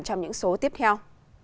trong những số tiếp theo